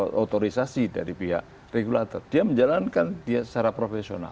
atau otorisasi dari pihak regulator dia menjalankan dia secara profesional